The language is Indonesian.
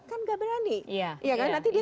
kan nggak berani iya iya kan nanti dia